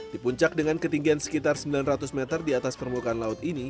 di puncak dengan ketinggian sekitar sembilan ratus meter di atas permukaan laut ini